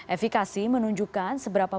efekasi menunjukkan seberapa